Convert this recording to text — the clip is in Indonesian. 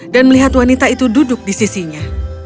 dan melihat wanita itu duduk di sisinya